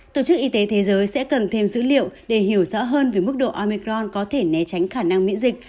tổ chức y tế thế giới sẽ cần thêm dữ liệu để hiểu rõ hơn về mức độ amicron có thể né tránh khả năng miễn dịch